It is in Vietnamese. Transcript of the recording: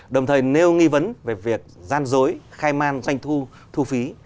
đồng thời nêu nghi vấn về việc gian dối khai man doanh thu thu phí